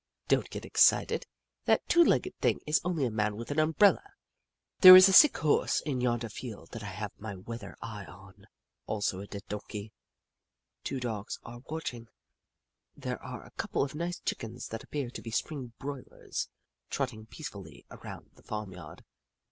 Don't get excited, that two legged thing is only a Man with an umbrella. There is a sick Horse in yonder field that I have my weather eye on, also a dead Donkey. Two Dogs are watching, and there are a couple of nice Chickens that appear to be spring broilers, trotting peacefully around the farmyard.